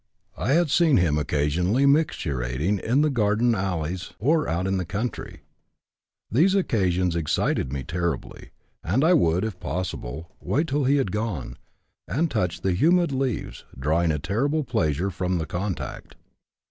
I had seen him occasionally micturating in the garden alleys or out in the country. These occasions excited me terribly, and I would, if possible, wait till he had gone, and touch the humid leaves, drawing a terrible pleasure from the contact.